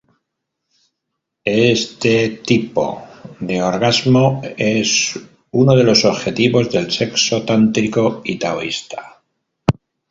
Este tipo de orgasmo es uno de los objetivos del sexo tántrico y taoísta.